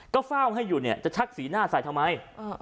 ก็เฝ้าให้อยู่เนี่ยจะชักสีหน้าใส่ทำไม